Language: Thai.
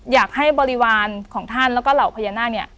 อยากให้บริวารของท่านและก็เหล่าภาญนาภล์เนี้ย